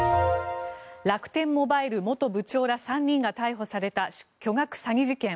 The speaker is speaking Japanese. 楽天モバイル元部長ら３人が逮捕された巨額詐欺事件。